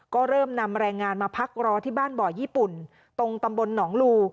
ก็เริ่มนำแรงงานมาพักรอที่บ้านบ่อญี่ปุ่นตรงตำบลหนองลู